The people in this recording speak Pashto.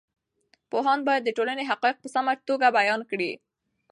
پوهاند باید د ټولنې حقایق په سمه توګه بیان کړي.